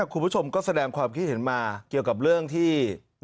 คุณผู้ชมก็แสดงความคิดเห็นมาเกี่ยวกับเรื่องที่